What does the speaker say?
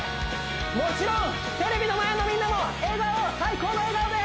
もちろんテレビの前のみんなも笑顔最高の笑顔で！